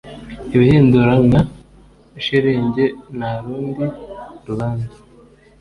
ibihindura nka sherenge nta rundi rubanza.